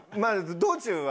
道中は。